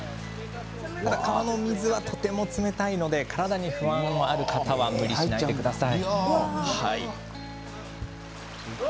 川の水はとても冷たいので体に不安のある方は無理しないでください。